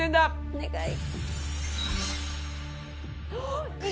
お願い！